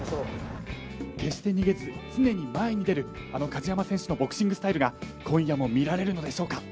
決して逃げず常に前に出るあの梶山選手のボクシングスタイルが今夜も見られるのでしょうか。